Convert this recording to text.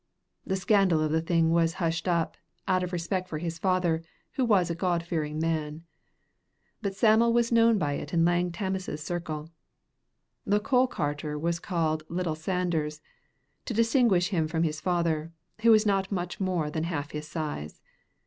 The scandal of the thing was hushed up, out of respect for his father, who was a God fearing man, but Sam'l was known by it in Lang Tammas's circle. The coal carter was called Little Sanders, to distinguish him from his father, who was not much more than half his size.